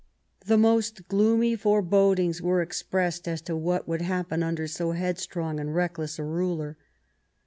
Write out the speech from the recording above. The r EARLY YEARS 9 most gloomy forebodings were expressed as to what would happen under so headstrong and reckless a ruler.